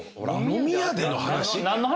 飲み屋での話？